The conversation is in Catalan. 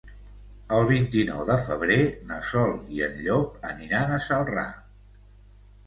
El vint-i-nou de febrer na Sol i en Llop aniran a Celrà.